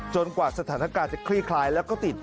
กว่าสถานการณ์จะคลี่คลายแล้วก็ติด